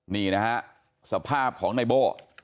นี่นะฮะสภาพของนายโบ้